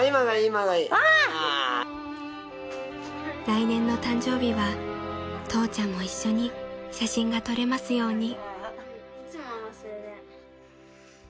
［来年の誕生日は父ちゃんも一緒に写真が撮れますように］